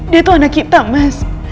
dia tuh anak kita mas